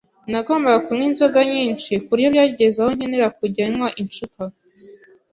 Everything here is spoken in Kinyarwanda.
Nagombaga kunywa inzoga kenshi, ku buryo byageze aho nkenera kujya nywa icupa